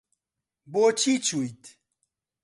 بۆچی چویت؟